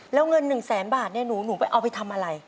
แล้วเงิน๑แสนบาทเนี่ยหนูไปเอาไปทำอะไร